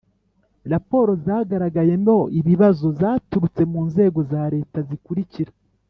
Raporo zagaragayemo ibibazo zaturutse mu nzego za Leta zikurikira